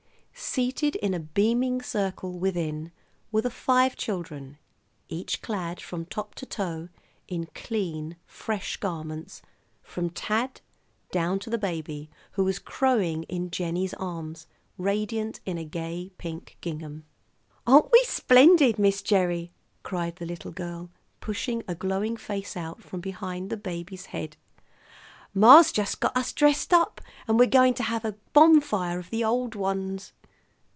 Seated in a beaming circle within were the five children, each clad from top to toe in clean, fresh garments, from Tad down to the baby, who was crowing in Jennie's arms, radiant in a gay pink gingham. "Aren't we splendid, Miss Gerry?" cried the little girl, pushing a glowing face out from behind the baby's head. "Ma's just got us dressed up, and we're going to have a bonfire of the old ones."